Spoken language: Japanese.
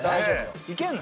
行けんの？